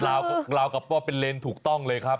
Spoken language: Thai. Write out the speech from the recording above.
ลาวกับว่าเป็นเลนถูกต้องเลยครับ